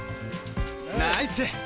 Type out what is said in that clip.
ナイス！